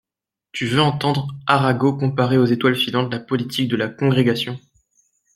Tu veux entendre Arago comparer aux étoiles filantes la politique de la Congrégation?